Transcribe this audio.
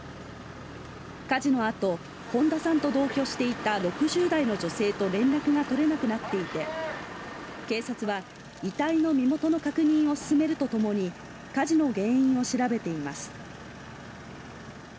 火事のあと本田さんと同居していた６０代の女性と連絡が取れなくなっていて警察は遺体の身元の確認を進めるとともに火事の原因を調べています。